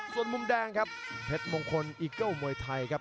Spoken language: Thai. ส่วนมุมแดงครับเพชรมงคลอิโก้มวยไทยครับ